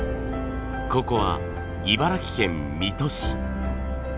ここは茨城県水戸市。